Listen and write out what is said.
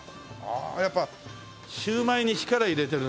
やっぱシューマイに力入れてるね。